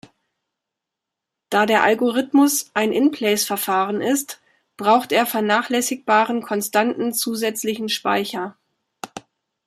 Da der Algorithmus ein In-place-Verfahren ist, braucht er vernachlässigbaren konstanten zusätzlichen Speicher.